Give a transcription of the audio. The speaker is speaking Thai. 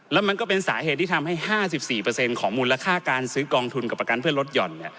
แล้วมันก็เป็นสาเหตุที่ทำให้๕๔ของมูลค่าการซื้อกองทุนกับประกันเพื่อลดหย่อน